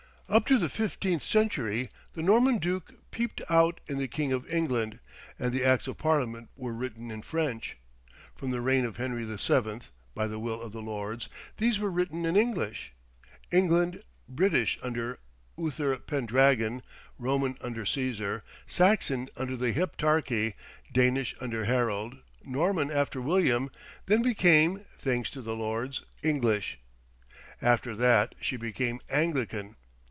Up to the fifteenth century the Norman Duke peeped out in the King of England, and the acts of Parliament were written in French. From the reign of Henry VII., by the will of the Lords, these were written in English. England, British under Uther Pendragon; Roman under Cæsar; Saxon under the Heptarchy; Danish under Harold; Norman after William; then became, thanks to the Lords, English. After that she became Anglican.